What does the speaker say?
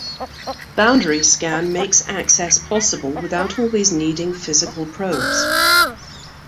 Boundary scan makes access possible without always needing physical probes.